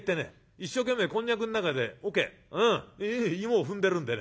一生懸命こんにゃくの中でおけうん芋を踏んでるんでね。